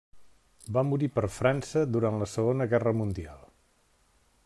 Va morir per França durant la Segona Guerra Mundial.